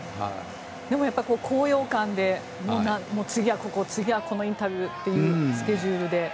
でも高揚感で次はここ、次はこのインタビューというスケジュールで。